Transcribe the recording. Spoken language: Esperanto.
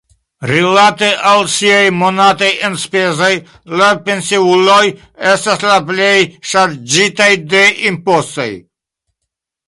Rilate al siaj monataj enspezoj, la pensiuloj estas la plej ŝarĝitaj de impostoj.